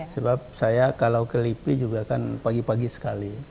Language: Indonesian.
sebab saya kalau ke lipi juga kan pagi pagi sekali